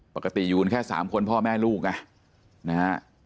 ปกติอยู่กันแค่๓คนพ่อแม่ลูกไงนะฮะ